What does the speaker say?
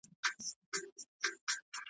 مشوره به هم مني د ګیدړانو .